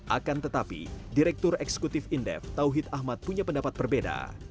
akan tetapi direktur eksekutif indef tauhid ahmad punya pendapat berbeda